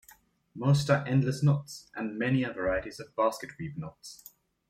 Most are endless knots, and many are varieties of basket weave knots.